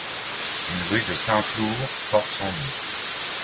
Une rue de Saint-Flour porte son nom.